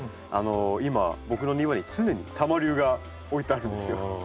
今僕の庭に常にタマリュウが置いてあるんですよ。